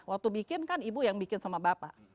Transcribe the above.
waktu bikin kan ibu yang bikin sama bapak